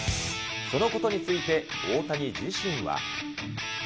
そのことについて大谷自身は。